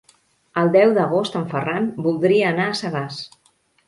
El deu d'agost en Ferran voldria anar a Sagàs.